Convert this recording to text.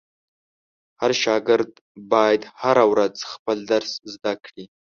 هر شاګرد باید هره ورځ خپل درس زده کړي.